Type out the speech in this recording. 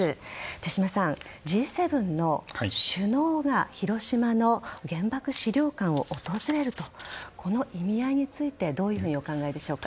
手島さん、Ｇ７の首脳が広島の原爆資料館を訪れるという意味合いについてどういうふうにお考えでしょうか。